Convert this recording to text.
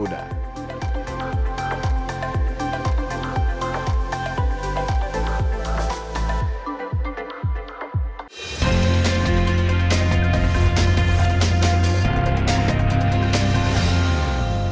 sebagai generasi muda